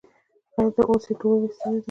خیر ده اوس یی توبه ویستلی ده